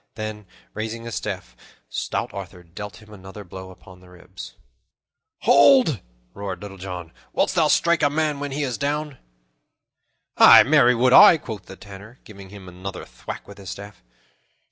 Then, raising his staff, stout Arthur dealt him another blow upon the ribs. "Hold!" roared Little John. "Wouldst thou strike a man when he is down?" "Ay, marry would I," quoth the Tanner, giving him another thwack with his staff.